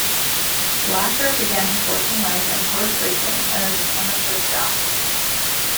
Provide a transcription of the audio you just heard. Blacker began his working life in horse-racing and as an amateur jockey.